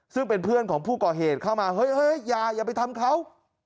ซึ่งเป็นเพื่อนของผู้ก่อเหตุเข้ามาเฮ้ยอย่าไปทำเขา